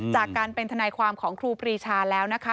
จากการเป็นทนายความของครูปรีชาแล้วนะคะ